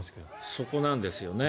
そこなんですよね。